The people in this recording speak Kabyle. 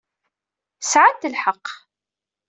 Sɛant lḥeqq.